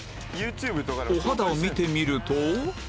お肌を見てみると